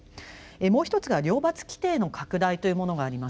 もうひとつが「両罰規定の拡大」というものがあります。